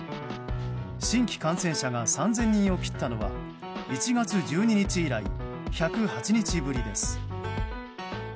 新規感染者が３０００人を切ったのは１月１２日以来１０８日ぶりです。